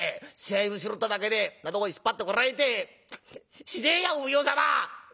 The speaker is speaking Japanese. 財布拾っただけでこんなとこへ引っ張ってこられてしでえやお奉行様！